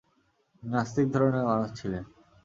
তিনি নাস্তিক ধরনের মানুষ ছিলেন।